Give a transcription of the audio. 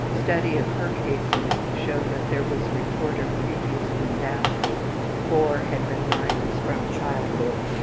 Study of her cases showed that there was report of previous mendacity, four had been liars from childhood.